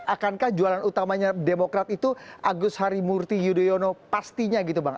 akankah jualan utamanya demokrat itu agus harimurti yudhoyono pastinya gitu bang